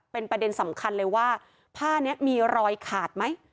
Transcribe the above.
เป็นประเด็นสำคัญเลยว่าผ้านี้มีรอยขาดไหม